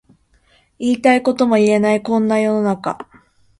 言いたいことも言えないこんな世の中